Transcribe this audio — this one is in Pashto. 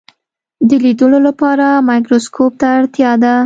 د لیدلو لپاره مایکروسکوپ ته اړتیا ده.